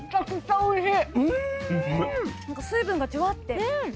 おいしい。